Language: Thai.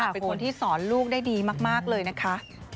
เป็นคนที่สอนลูกได้ดีมากเลยนะคะ